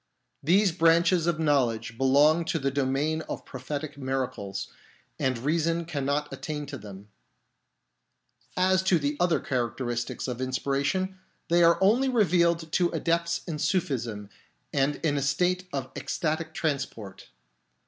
These branches of knowledge belong to the domain of prophetic miracles, and reason cannot attain to them. As to the other characteristics of inspiration, 54 HOW TO TEST PROPHETIC CLAIMS they are only revealed to adepts in Sufism and in a state of ecstatic transport.